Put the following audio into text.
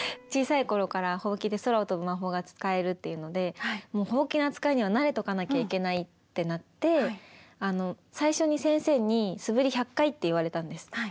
小さい頃からほうきで空を飛ぶ魔法が使えるっていうのでもうほうきの扱いには慣れとかなきゃいけないってなって最初に先生に素振り１００回って言われたんです。